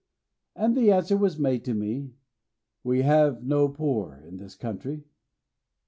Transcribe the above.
And the answer was made me, 'We have no poor in this country.'